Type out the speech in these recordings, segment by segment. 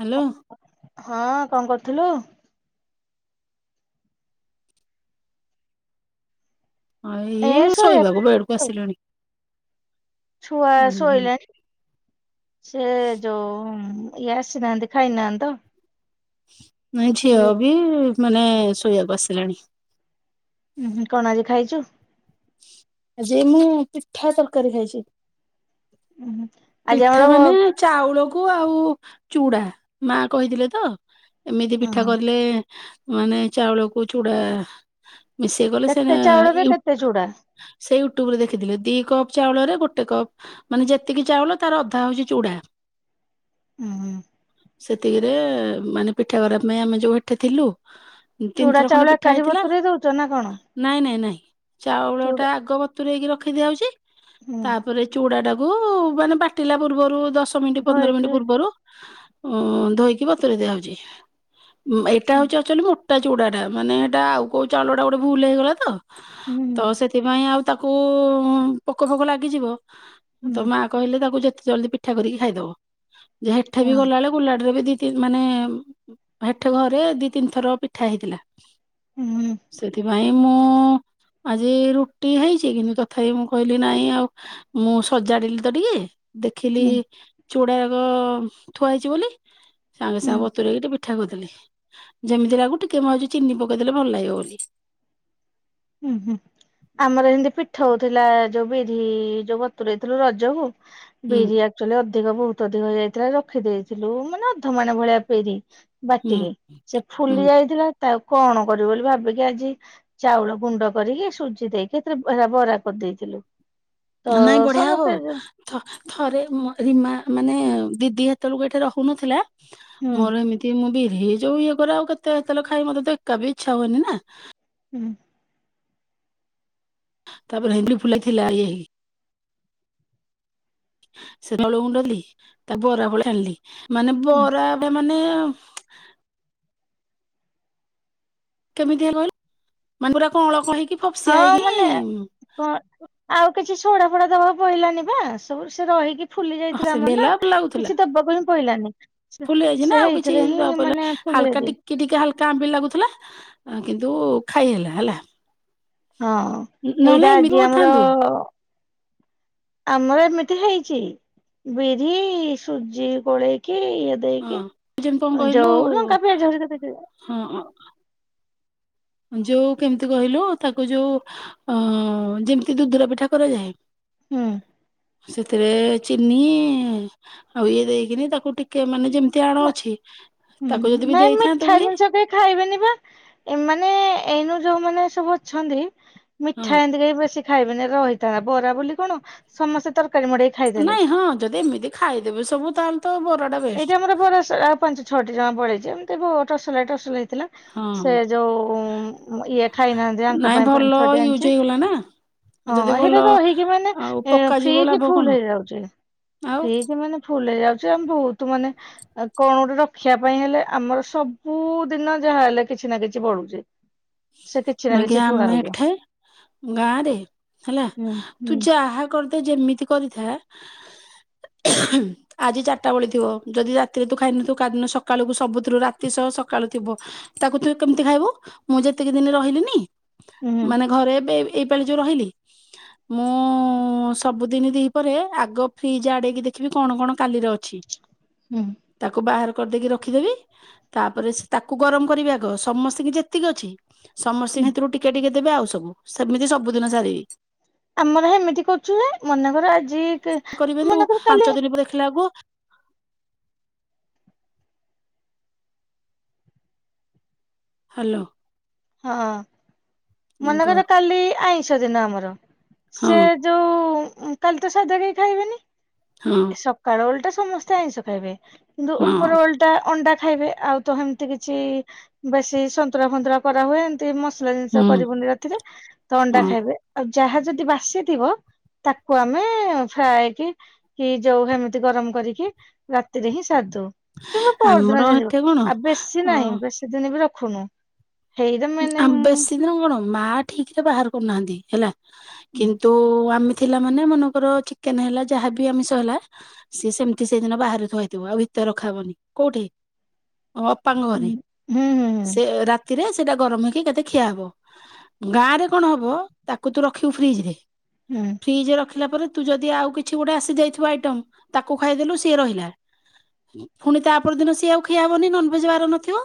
Hello. ହଁ କଁ କରୁଥିଲୁ? ଏ ଇଏ ଶୋଇଆ ଶୋଇବାକୁ ବେଡକୁ ପାଇଁ ଆସିଲେଣି [inaudible] ଛୁଆ ହୁଁ ହୁଁ ଶୋଇଲାଣିି? ସେ ଯୋଉ ଇଏ ଆସିନାହାନ୍ତି ଖାଇନାହାନ୍ତି ତ। ନାଇ ଝିଅ ବି ମାନେ ଶୋଇବାକୁ ଆସିଲାଣି। ଉ ହୁଁ କଣ ଆଜି ଖାଇଚୁ? ଆଜି ମୁଁ ପିଠା ତରକାରୀ ଖାଇଚି। ଉହୁଁ ଆଜି ପିଠା ଆମର ମାନେ ଚାଉଳକୁ ଆଉ ଚୁଡ଼ା ମା କହିଥିଲେ ତ ଏମିତି ପିଠା ଓହୋ କରିଲେ ମାନେ ଚାଉଳକୁ ଚୁଡା ମିଶେଇ ଗଲେ କେତେ ସେନା ଚାଉଳରେ ୟୁ କେତେ ଚୁଡା ସେ ୟୁଟ୍ୟୁବ ରେ ଦେଖିଥିଲେ ଦି କପ୍ ଚାଉଳରେ ଗୋଟେ କପ୍ ମାନେ ଯେତିକି ଚାଉଳ ତାର ଅଧା ହଉଚି ଚୁଡା। ଉଁ ହୁଁ। ସେତିକିରେ ମାନେ ପିଠା କରିବା ପାଇଁ ଆମେ ଯୋଉ ହେଠି ଥିଲୁ ଚୁଡା ତିନିଥର ଖଣ୍ଡେ ଚାଉଳ ପିଠା ଏକାଠି ହେଇଥିଲା। ବତୁରେଇ ଦଉଛ ନା କଣ ନାଇଁ ନାଇଁ ନାଇଁ ଚାଉଳ ଟା ଚୁଡା ଆଗ ବତୁରେଇକି ରଖି ଦିଆହଉଛି ହୁଁ ତା ତାପରେ ଚୁଡା ଟାକୁ ମାନେ ବାଟିଲା ପୂର୍ବରୁ ଦଶ ମିନିଟ୍ ପନ୍ଦର ଧୋଇକି ମିନିଟ୍ ପୂର୍ବରୁ ଉ ଧୋଇକି ବତୁରେଇ ଦିଆହଉଚି ଏଇଟା ହୁଁ ହଉଚି ଆଚୁଲି ମୋ ଟା ଚୁଡାଟା ମାନେ ସେଇଟା ଆଉ କୋଉ ଚାଉଳ ଗୋଟେ ଭୁଲ ହେଇଗଲା ତ ହୁଁ ସେ ସେଥିପାଇଁ ଆଉ ତାକୁ ପୋକ ଫୋକ ଲାଗିଯିବ ହୁଁ ତ ମା କହିଲେ ତାକୁ ଯେତେ ଜଲ୍ଦୀ ପି ପିଠା କରିକି ଖାଇଦବ ଯେ ହେଠେ ହଁ ବି ଗଲାବେଳେ କୁ ପୁଲାଡରେ ବି ଦି ମାନେ ହେଠ ଘରେ ଦି ତିନି ଥର ପିଠା ହେଇଥିଲା। ହୁଁ। ସେଥିପାଇଁ ମୁଁ ଆଜି ରୁ ରୁଟି ହେଇଛି କିନ୍ତୁ ତଥାପି ମୁଁ କହିଲି ନାଇଁ ଆଉ ମୁଁ ସଜାଡିଲି ତ ଟିକେ ଦେଖିଲି ହୁଁ ଚୁଡାକ ଥୁଆ ହେଇଛି ବୋଲି ସାଙ୍ଗେ ହୁଁ ସାଙ୍ଗେ ବତୁରେଇ ଦେ ଠା କରିଥିଲି ଯେମିତି ଲାଗୁ ଟିକେ ମଛି ଚିନି ପକେଇଦେଲେ ଭଲ ଲାଗିବ ବୋଲି। ହୁଁ ହୁଁ। ଆମର ଏମିତି ପିଠା ହଉଥିଲା ଯୋଉ ବିରି ଯୋଉ ବତୁରେଇଥିଲୁ ରଜକୁ। ହୁଁ ବିରି ଆକ୍ଚୁଆଲି ଅଧିକ ବହୁତ ଅଧିକ ହେଇଯାଇଥିଲା ରଖିଦେଇଥିଲୁ ମାନେ ଅଧ ମାଣେଭଳିଆ ବିରି। ହୁଁ ବାଟିକି ସେ ଫୁଲି ହୁଁ ଯାଇଥିଲା ତାକୁ କଣ କରିବ ବୋଲି ଭାବିକି ଆଜି ଚାଉଳ ଗୁଣ୍ଡ କରିକି ସୁଜି ଦେଇକି ଏଥିରେ ବରା କରିଦେଇଥିଲୁ। ତ ନାଇଁ ବଢିଆ ହବ। ସମସ୍ତେ ହୁଁ ଥ ଥରେ ରୀମା ମାନେ ଦିଦି ହେତବେଳକୁଏଠି ରହୁନଥିଲା। ହୁଁ ମୋର ଏମିତି ମୁଁ ବିରି ଯୋଉ ଇଏ କରଆଉ କେତେ ତେଲଖାଇ ମତେ ତଏକାବି ଇଛହୁଏନି ନା। ହୁଁ। ତାପରେ ହେନ୍ଦୁଲି ଫୁଲାଇଥିଲା ଇଏ ସେତ ବେଳକୁ ମୁଁ ଡରିଲି ତା ବରା ଫଳି ଆଣିଲି ମାନେ ବରା ଏବେ ମାନେ। କେମିତିଆ କହିଲୁ ମାଙ୍ଗୁରା କଆଁଳ କହିକି। ହଁ ମାନେ। କଣ ଆଉ କିଛି ସୋଡା ଫୋଡା ଦବାକୁ ପହିଲାନିପା ସବୁ ସେ ରହିକି ଫୁଲି ଯାଇଥିଲା ଆମର ସେମିତି ନା ହେଲା ଲାଗୁଥିଲା କିଛି ଦବାକୁ ହିଁ ପଡିଲାନି ଫୁଲି ଯାଇଛି ସେ ହେଇଥିରେ ହିଁ ମାନେ ଫୁଲି ଯାଇଛି। କି ଟିକେ ହାଲକା ଆମ୍ବଲି ଲାଗୁଥିଲା କିନ୍ତୁ ଖାଇ ହେଲା ହେଲା। ହଁ ନହେଲେ ଏଇଟା ଏମିତି ଆଜି ଆମର କରିଥାନ୍ତୁ ଆମର ଏମିତି ହେଇଛି ବିରି ସୁଜି ଗୋଳେଇକି। ହଁ ଦେଇକି ଯେମିତି କଣ କହିଲୁ ଯଉ ଲଙ୍କା ପିଆ ଯାଉ [unintelligible] ହଁ। ଯୋଉ କେମିତି କହିଲୁ ତାକୁ ଯୋଉ ଯେମିତି ଦୁଧୁର ପିଠା କରାଯାଏ। ହୁଁ। ସେଥିରେ ଚିନି ଆଉ ଇଏ ଦେଇକିନି ତାକୁ ଟିକେ ମାନେ ଯେମତି ନା ଟାଣୁଛି ହୁଁ ନାଇଁ ମିଠା ଜିନିଷ କେହି ଖାଇବେନି ପା। ଏ ମାନେ ଏଇନୁ ଯୋଉମାନେସବୁ ଅଛନ୍ତି ହଁ ମିଠା ଏମିତିକେହିବେଶୀ ଖାଇବେନି ରାହିଥା ବରା ବୋଲି କଣ ସମସ୍ତେ ତରକାରୀ ମଡେଇ ନାଇଁ ହଁ ଯଦି ଏମିତି ଖାଇଦେବେ ସବୁ ତାହାଲେ ତ ବରା ଏଇଟା ଆମର ବରାଆଉ ପାଞ୍ଚ ଛଅଟି ଜମାବିଳିଛି ଏମତି ଟସଲା ଟସଲା ହେଇଥିଲା। ହଁ ସେ ଯୋଉ ଇଏ ଖାଇନାହାନ୍ତି ଆଙ୍କ ନାଇଁ ପାଇଁ ଭଲ ପାଞ୍ଚ ଛଟି ୟୁଜ ଆଣିଛି। ହେଇଗଲା ନା ହଁ ଯଦି ଭଲ ହେଇଟା ରହିକି ମାନେ ଆଉ ପକାଯିବ ଫ୍ରିଜ ଲାଭ ଫୁଲ କଣ ହେଇଯାଉଛି ଆଉ ଫ୍ରିଜ ମାନେ ଫୁଲ ହେଇ ଯାଉଛି ଆମେ ବହୁତ ମାନେ କଣ ଗୋଟେ ରଖିବା ପାଇଁ ହେଲେ ଆମର ସବୁଦିନ ଯାହା ହେଲେ କିଛି ନା କିଛି ବଳୁଛି। ହ [unintelligible] ନାଜ୍ଞା ଆମ ଏଠ ଗାଁରେ ହେଲା ହୁଁ ହୁଁ ତୁ ଯା ଆ କରିଦେ ଯେମିତି କରିଥାଆ ଆଜି ଚାରିଟା ବେଳେ ଥିବ ଯଦି ରାତିରେ ତୁ ଖାଇନୁ ତାରିଦିନସକାଳୁ ସବୁଥିରୁ ରାତି ସହସକାଳୁ ଥିବ। ତାକୁ ତୁ କେମିତି ଖାଇବୁ ମୁଁ ଯେତିକି ଦିନ ରହିଲିିନି ହୁଁ ମାନେ ଘରେ ଏବେ ଏ ପେଲି ଯେଉ ରହିଲି। ମୁଁ ସବୁଦିନ ଦିପହରେଆଗ ଫ୍ରିଜ ଆଡେଇକି ଦେଖିବି କଣ କଣ କାଲିର ଅଛି। ହୁଁ। ତାକୁ ବାହାର କରିଦେଇକି ରଖିଦେବି ତାପରେ ସେ ତାକୁ ଗରମ କରିବି ଆଗ ସମସ୍ତଙ୍କୁ ଯେ ସେତିକ ଅଛି ସମସ୍ତଙ୍କ ହୁଁ। ସେଥିରୁ ଟିକେ ଟିକେ ଦେବି ଆଉ ସବୁ ସେମିତି ସବୁଦିନ ସାରିବି। ଆମର ହେମିତି କରୁଛୁ ହେଁ ମନେକର ଆଜି କରିବେନି ମନେକର କାଲି ପାଞ୍ଚ ଦିନ ଦେଖିଲା କୁ ହାଲୋ। ହଁ କହ ମନେକର କାଲି ଆଇଁଷ ଦିନ ଆମର ହଁ ସେ ଯୋଉ କାଲି ତ ସାଧା କେହି ଖାଇବେନି। ହଁ। ସକାଳ ଓଳିଟା ସମସ୍ତେ ଆଇଁଷ ଖାଇବେ କିନ୍ତୁ ହଁ ଉପର ଓଳି ଟା ଅଣ୍ଡା ଖାଇବେ ଆଉ ତ ହେମତି କିଛି ବେଶୀ ସନ୍ତୁରା ଫନ୍ତୁରା କରା ହୁଏ ଏମିତି ମସଲା ଜିନିଷ ହୁଁ କରିବୁନି ରାତିରେ ତ ଅଣ୍ଡା ହଁ ଖାଇବେ। ଆଉ ଯାହା ଯଦି ବାସିଥିବ ତାକୁ ଆମେ ଫ୍ରାଏ କି କି ଯୋଉ ହେମିତି ଗରମ କରିକି ରାତିରେ ହିଁ ସାରିଦଉ। କିନ୍ତୁ ଆମର ପହରଦିନ ଜେଜେବ ଏଠି କଣ ଆଉ ବେଶୀ ନାହିଁ ବେଶୀ ଦିନ ବି ରଖୁନୁ। ହେଇଟା ମାନେ ଆମ ହୁଁ ବେଶୀ ଦିନ କଣ ମା ଠିକ ରେ ବାହାର କରୁନାହାନ୍ତି ହେଲା ହୁଁ କିନ୍ତୁ ଆମେ ଥିଲା ମାନେ ମନେକର ଚିକେନ ହେଲା ଯାହାବି ଆମିଷ ହେଲା ସିଏ ସେମିତି ସେଇଦିନ ବାହାରୁ ଥୁଆହେଇଥିବ ଆଉ ଭିତରେ ରଖା ହବନି କୋଉଠି? ଅପାଙ୍କ ଘରେ ହୁଁ ହୁଁ ସେ ରାତିରେ ସେଇଟା ଗରମ ହେଇକି କେତେ ଖିଆ ହବ ଗାଁ ରେ କଣ ହବ ତାକୁ ତୁ ରଖିବୁ ଫ୍ରିଜ ରେ ହୁଁ। ଫ୍ରିଜ ରଖିଲା ପରେ ତୁ ଯଦି ଆଉ କିଛି ଗୋଟେ ଆସି ଜାଇଥିବ ଆଇଟମ ତାକୁ ଖାଇଦେଲୁ ସିଏ ରହିଲା। ଫୁଣି ତାପରଦିନ ସିଏ ଆଉ ଖିଆହବନି ନନଭେଜ ବାର ନଥିବ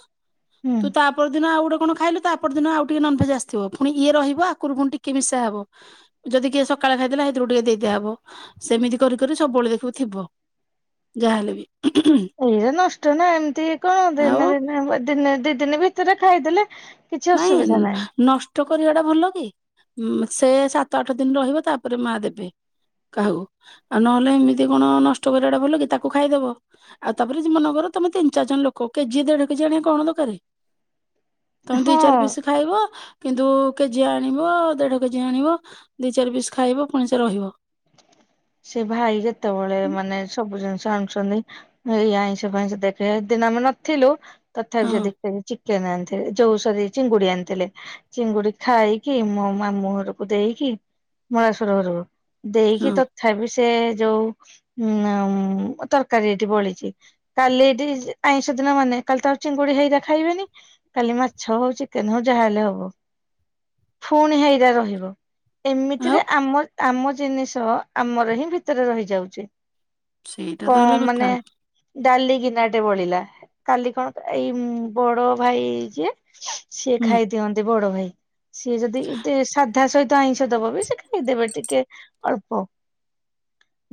ହୁଁ। ତା ପରଦିନ ଆଉ ଗୋଟେ ଫୁଣି ଖାଇଲୁ ତା ପର ଦଦିନ ଆଉ ଟିକେ ନନଭେଜ ଆସିବ ପୁଣି ଇଏ ରହିବ ଆଗରୁ ପୁଣି ଟିକେ ମିଶା ହବ। ଯଦି କିଏ ସକାଳେ ଖାଇଦେଲେ ସେଇଥିରୁ ଟିକେ ଦେଇଦିଆହବ ସେମିତି କରିି କରି ସବୁବେଳେ ଦେଖିବୁ ଥିବ। ଯାହାହଲେ ବି ଏଇରେ ନଷ୍ଟ ନା ଏମିତି କଣ ଆଉ ଦିନେ ଦି ଦିନି ଦିନେ ଦିନେ ଦି ଦିନେ ଭିତରେ ଖାଇଦେଲେ କିଛି ନାଇଁ ଅସୁବିଧା ନାହିଁ ନ ଟ କରିବା ଟା ଭଲ କି ସେ ସାତ ଆଠ ଦିନ ରହିବ ତାପରେ ମା ଦେବେ। କାହାକୁ ଆଉ ନହେଲେ ଏମିତି କଣ ନଷ୍ଟ କରିବାଟା ଭଲ କି ତାକୁ ଖାଇଦବ। ଆଉ ତାପରେ ଯଦି ମନକର ତମେ ତିନ ଚାର ଜଣ ଲୋକ କେଜି ଦେଢ କେଜି ଆଣିବା କଣ ଦକରେ? ତମେ ଦି ହଁ ଚାରି ପିସ୍ ଖାଇବ କିନ୍ତୁ କେଜି ଆଣିବ ଦେଢ କେଜି ଆଣିବ। ଦୀ ଚାରି ପିସ୍ ଖାଇବ ପୁଣି ସେ ରହିବ। ସେ ଭାଇ ଯେତେବେଳେ ମାନେ ସବୁ ଜିନିଷ ଆଣୁଛନ୍ତି ଏଇ ଆଇଁଷ ଫଇଁଷ ଦେଖେଇ ଦିନ ଆମେ ନଥିଲୁ ହଁ ତଥାପି ସେ ଦେଖେ ଚିକେନ ଆଣିଥିଲେ ଯୋଉ ସରି ଚିଙ୍ଗୁଡି ଆଣିଥିଲେ। ଚିଙ୍ଗୁଡି ଖାଇକି ମୋ ମାମୁଁ ଘରକୁ ଦେଇକି ମଳଶୁର ଘରକୁ। ଦେଇକି ହଁ ତଥାପି ସେ ଯୋଉ ଉଁ ତରକାରୀ ଏଠି ବଳିଛି। କାଲି ଏଠି ଆଇଁଷ ଦିନ ମାନେ କାଲି ତ ଆଉ ଚିଙ୍ଗୁଡି ହେଇରା ଖାଇବେନି। କାଲି ମାଛ ହଉ ଚିକେନ ହଉ ଯାହାହଲେ ହବ ଫୁଣି ହେଇରା ରହିବ। ଆଉ ଏମିତିରେ ଆମ ଆମ ଜିନିଷ ଆମର ହିଁ ଭିତରେ ରହିଯାଉଛି। ସେଇଟା ତ କ ହେଲା କଥା ମାନେ ଡାଲି ଗିନାଟେ ବଳିଲା। କାଲି କଣ ଏଇ ବଡ ଭାଇ ଯିଏ ସିଏ ହୁଁ ଖାଇଦିଅନ୍ତେ ବଡ ଭାଇ। ସିଏ ଯଦି ଦେ ସାଧା ସହି ଆଇଁଷ ଦବ ବି ସେ ଖାଇଦେବେ ଟିକେ ଅଳ୍ପ।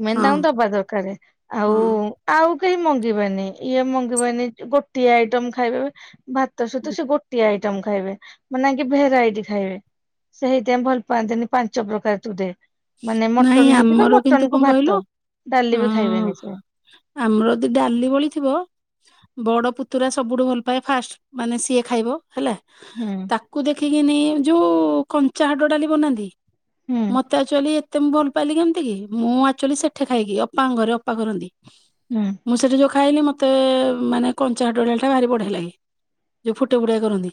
ମେନ୍ ହଁ। ତାଙ୍କୁ ଦବା ଦରକାର। ହଁ ଆଉ ଆଉ କେହି ମଙ୍ଗିବେନି। ଇଏ ମଙ୍ଗିବେନି ଗୋଟିଏ ଆଇଟମ୍ ଖାଇବେ ବେ ଭାତ ସହିତ ସେ ଗୋଟିଏ ଆଇଟମ୍ ଖାଇବେ। ମାନେ କି ଭେରାଇଟି ଖାଇବେ। ସେଇଥି ପାଇଁ ଭଲ ପାଆନ୍ତିନି ପାଞ୍ଚ ପ୍ରକାର ତୁ ଦେ। ମାନେ ମ ନାଇଁ ମଟନ ହେଇଛି ତ ଆମର କିନ୍ତୁ ମଟନ କୁ କଣ କହିଲୁ ଭାତ, ଡାଲି ଅଁ ବି ଖାଇବେନି ସେ। ଆମର ଯଦି ଡାଲି ବଳି ଥିବ ବଡ ପୁତୁରା ସବୁଠୁ ଭଲ ପାଏ ଫାଷ୍ଟ ମାନେ ସିଏ ଖାଇବ ହେଲା। ହୁଁ। ତାକୁ ଦେଖିକିନି ଯୋଉ କଞ୍ଚା ହରଡ଼ ଡାଲି ବନାନ୍ତି। ହୁଁ। ମତେ ଆକ୍ଚୁଲି ଏତେ ମୁଁ ଭଲ ପାଇଲିି କେମିତି କି। ମୁଁ ଆକ୍ଚୁଲି ସେଠି ଖାଇକି ଅପାଙ୍କ ଘରେ ଅପା କରନ୍ତି। ହୁଁ। ମୁଁ ସେଇଠି ଯେଉଁ ଖାଇଲି ମୋତେ ମାନେ କଞ୍ଚା ହରଡ ଡାଲିଟା ଭାରି ବଢ଼ିଆ ଲାଗେ। ଯୋଉ ଫୁଟେ ଫୁଟାକି କରନ୍ତି।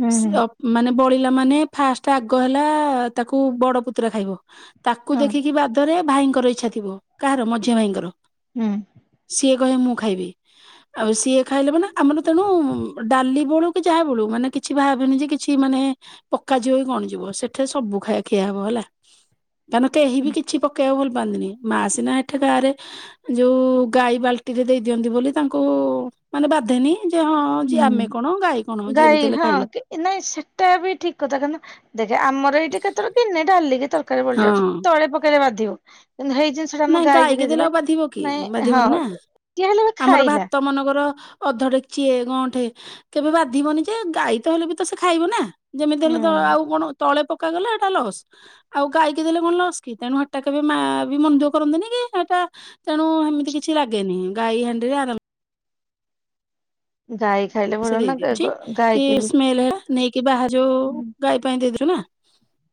ହୁଁ ସେ ହୁଁ ଅ ମାନେ ବଳିଲା ମାନେ ଫାଷ୍ଟ ଆଗ ହେଲା ତାକୁ ବଡ ପୁତୁରା ଖାଇବ। ତାକୁ ହଁ ଦେଖିକି ବାଦରେ ଭାଇଙ୍କର ଇଛା ଥିବ। କାହାର ମଝିଆ ଭାଇଙ୍କର। ହୁଁ ସିଏ କହିବେ ମୁଁ ଖାଇବି। ଗ ଆଉ ସିଏ ଖାଇଲେ ମାନେ ଆମର ତେଣୁ ଡାଲି ବଳୁ କି ଯାହା ବଳୁ ମାନେ କିଛି ଭାବେନି ଯେ କି ଛି ମାନେ ପକାଯିବ କଣ ଯିବ। ସେଠି ସବୁ ଖାଇ ଖିଆ ହବ ହେଲା। କାରନ କେହି ବି କିଛି ପକେଇବାକୁ ଭଲ ପାଆନ୍ତିନି। ମା ସିନା ସେଠି ଗାଁରେ ଯୋଉ ଗାଈ ବାଲ୍ଟି ରେ ଦେଇ ଦିଅନ୍ତି ବୋଲି ତାଙ୍କୁ ମାନେ ବାଧେନି। ଯେ ହଁ ଯିଏ ହୁଁ ଆମେ କଣ ଗାଈ କଣ ଯିଏ ଏମିତି ହେଲେ ହଁ ଖାଇଲ। କି ନାଇଁ ସେଟା ବି ଠିକ୍ କଥା। କାରଣ ଦେଖେ ଆମର ଏଇଠି କେତେବେଳେ ଗିନେ ଡାଲି କି ତର୍ ତରକାରୀ ବଳି ଯାଉଛି। ହଁ। ତଳେ ପକେଇଲେ ବାଧିବ। କିନ୍ତୁ ହେଇ ଜିନିଷ ଟା ଆମ ନାଇଁ ଗାଈକି ଦେଲେ ଦେଇଦେବେ ଆଉ ବାଧିବ କି। ନାଇଁ ହଁ ବାଧିବନି ନା। କିଏ ହେଲେ ବି ଆମର ଖାଇଲା। ଭାତ ମନେକର ଅଧ ଡେକ୍ଚିଏ ଗଁଅଠେ କେବେ ବାଧିବନି ଯେ ଗାଈ ତ ହେଲେ ବି ତ ସେ ଖାଇବ ନା। ଯେମିତି ହେଲେ ହୁଁ ତ ଆଉ କଣ ତଳେ ପ ପକାଗଲା ଏଟା ଲସ୍। ଆଉ ଗାଇକି ଦେଲେ କଣ ଲସ୍ କି? ତେଣୁ ହେଟା କେବେ ମାଆ ବି ମନ ଦୁଃଖ କରନ୍ତିନି କି ସେଇଟା ତେଣୁ ଏମିତି କିଛି ଲାଗେନି। ଗାଈ ହାଣ୍ଡିରେ ଆରାମ ଗାଈ ଖାଇଲେ ସେ ଭଲ ନା ଗା ଗ ଦେଇଦଉଛି କି ଗାଈକି ବି ସ୍ମେଲ ହେଲା ନେଇକି ବାହା ଯୋଉ ହୁଁ ଗାଈ ପାଇଁ ଦେଇଥିଲୁ ନା।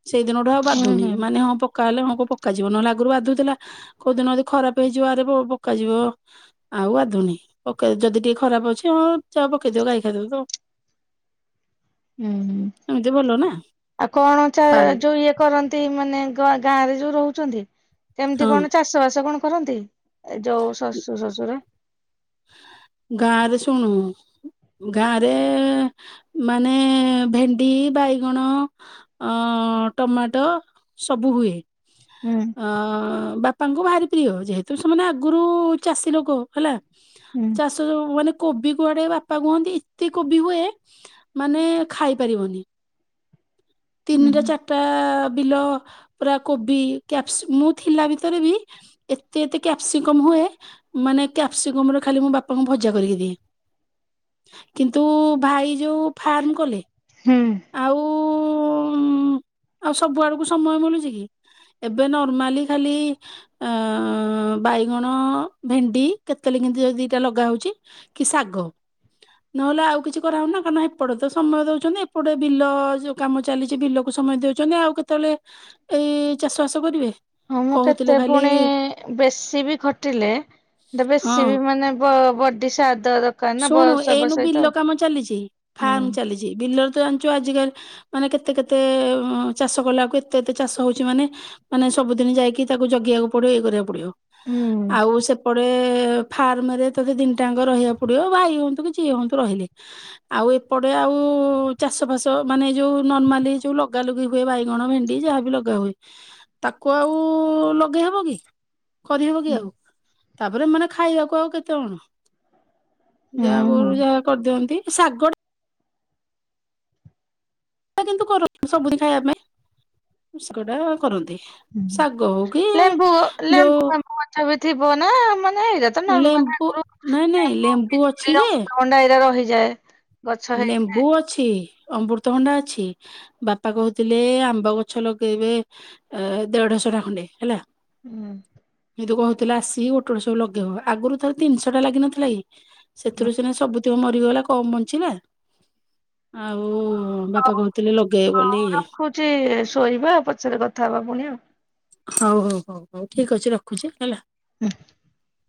ସେଇଦିନ ଠୁ ଆଉ ବାଧୁନି। ହୁଁ। ମାନେ ହଁ ପ ପକା ହେଲେ ହଁମ ପକାଯିବ। ନହେଲେ ଆଗରୁ ବାଧୁଥିଲା। କୋଉଦିନ ଯଦି ଖରାପ ହେଇଯିବ ଆରେ ପ ପକାଯିବ। ଆଉ ବାଧୁନି। ପକେଇ ଯଦି ଟିକେ ଖରାପ ଅଛି ହଁ ଯ ପକେଇଦିଅ ଗାଇ ଖାଇଦବତ। ଉଁ ହୁଁ, ଏମିତି ଭଲ ନା ଆଉ କଣ ଚା ଖାଏ ଯୋଉ ଇଏ କରନ୍ତି ମାନେ ଗ ଗାଁ ରେ ଯୋଉ ରହୁଛନ୍ତି କେମିତି ହଁ କଣ ଚାଷ ବାସ କଣ କରନ୍ତି? ଏ ଯୋଉ ଶଶୁ, ଶ୍ୱଶୁର। ଗାଁ ରେ ଶୁଣୁ। ଗାଁରେ ମାନେ ଭେଣ୍ଡି, ବାଇଗଣ ଓ ଟମାଟ ସବୁ ହୁଏ। ହୁଁ। ଅ ବାପାଙ୍କୁ ଭାରି ପ୍ରିୟ। ଯେହେତୁ ସେମାନେ ଆଗରୁ ଚାଷୀ ଲୋକ ହେଲା ହୁଁ। ଚାଷ ମାନେ କୋବି କୁଆଡେ ବାପା କୁହନ୍ତି ଏତେ କୋବି ହୁଏ। ମାନେ ଖାଇପାରିବନି। ହୁଁ ତିନିଟା ଚାରିଟା ବିଲ ପୁରା କୋବି। କ୍ୟାସି ମୁଁ ଥିଲା ଭିତରେ ବି ଏତେ ଏତେ କ୍ୟାପସିକମ ହୁଏ। ମାନେ କ୍ୟାପ୍ସିକମ ରେ ଖାଲି ମୋ ବାପାଙ୍କୁ ଭଜା କରିକି ଦିଏ। କିନ୍ତୁ ଭାଇ ଯୋଉଁ ଫାର୍ମ କଲେ। ହୁଁ। ହୁଁ ଆଉ ସବୁ ଆଡକୁ ସମୟ ମିଳୁଛି କି ଏବେ ନର୍ମାଲି ଖାଲି ଏ ବାଇଗଣ ଭେଣ୍ଡି କେତେଳେ କିମୀତି ଯଦି ଦିଟା ଲଗାହଉଛି। କି ଶାଗ ନହେଲେ ଆଉ କିଛି କରାଉନା କାରଣ ହେପଟେ ତ ସମୟ ଦଉଛନ୍ତି। ଏ ଏପଟେ ବିଲ ଯୋଉ କାମ ଚାଲିଛି ବିଲକୁ ସମୟ ଦଉଛନ୍ତି ଆଉ କେତେବେଳେ? ଏଇ ଚାଷ ବାସ କରିବେ। ହଁ ମୁଁ କହୁଥିଲେ କେତେ ଖାଲି ଫୁଣି ବେଶୀ ବି ଖଟିଲେ ହଁ ଡ଼ବେଶୀ ବି ମାନେ ବ ବଡି ସାତ୍ ଦ ଶୁଣୁ ଏଇନୁ ବିଲ କାମ ଚାଲିଛି ହୁଁ ଫାର୍ମ ଚାଲିଛି ବିଲରେ ତ ଜାଣିଛୁ ଆଜିିକା ମାନେ କେତେ କେତେ ଚାଷ କଲା କୁ ଏତେ ଏତେ ଚାଷ ହଉଛି ମାନେ ମାନେ ସବୁଦିନ ଯାଇକି ତାକୁ ଜଗିବାକୁ ପଡିବ ଇଏ କରିବାକୁ ପଡିବ। ହୁଁ ଆଉ ସେପଟେ ଫାର୍ମ ରେ ହେ ଦିନିଟା ଯାଙ୍କ ରହିବା ପଡିବ ଭାଇ ହୁଅନ୍ତୁ କି ଯିଏ ହୁଅନ୍ତୁ ରହିଲେ। ଆଉ ଏପଟେ ଆଉ ଚାଷ ଫାସ ମାନେ ଯୋଉ ନର୍ମାଲି ଯୋଉ ଲଗାଲଗି ହୁଏ ବାଇଗଣ ଭେଣ୍ଡି ଯାହା ବି ଲଗା ହୁଏ ତାକୁ ଆଉ ଲଗେଇହବ କି? କରିହବ କି ହୁଁ ଆଉ ତାପରେ ମାନେ ଖାଇବାକୁ ଆଉ କେତେ ଜଣ? ଯାହା ହୁଁ। ଗୋରୁ ଯାହା କରିଦିଅନ୍ତି ଶାଗ ଟା। ଶାଗ କିନ୍ତୁ କରନ୍ତୀ ସବୁଦିନ ଖାଇବା ପାଇଁ ଶାଗଟା କରନ୍ତି। ହୁଁ। ଶାଗ ହଉ କି ଯୋଉ କୁ ଥାପି ଥିବ ନା ମାନେ ର ତ ନାର୍ମଲି ଲେମ୍ବୁ ଆଗରୁ ନାଇଁ ନାଇଁ ଆମ୍ୱ ଲେମ୍ବୁ ଅଛି ପିଜୁଳି ଯେ ଅମୃତ ଭଣ୍ଡା ଏରାରହିଯାଏ। ଲେମ୍ବୁ ବୂ ଅଛି ଅମୃତ ଭଣ୍ଡା ଅଛି ବାପା କହୁଥିଲେ ଆମ୍ବ ଗଛ ଲଗେଇବେ। ଅ ଦେଢଶ ଟା ଖଣ୍ଡେ ହେଲା। ହୁଁ। ହେ ଦୂ କହୁଥିଲ ଆସିକି ଗୋଟେ ଗୋଟେ ସବୁ ଲଗେଇବ ଆଗରୁ ଥରେ ତିନିଶ ଟା ଲାଗିିନଥିଲା କି? ସେଥିରୁ ସିନା ସବୁତକ ମରିଗଲା କମ ବଞ୍ଚିଲା। ଆଉ ବାପା କହୁଥିଲେ ଲଗେଇ ବୋଲି। ହଉଛି ଶୋଇବା ପଛରେ କଥା ହବା ପୁଣି ଆଉ। ହଉ ହଉ ହଉ ହଉ ଠିକ ଅଛି ରଖୁଛି ହେଲା। [unintelligible]